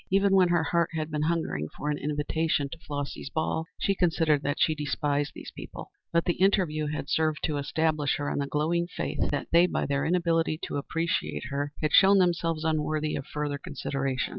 Even when her heart had been hungering for an invitation to Flossy's ball, she considered that she despised these people, but the interview had served to establish her in the glowing faith that they, by their inability to appreciate her, had shown themselves unworthy of further consideration.